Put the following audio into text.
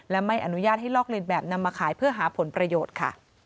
และไม่อนุญาตให้ลอกเลียนแบบนำมาขายเพื่อหาผลประโยชน์ค่ะ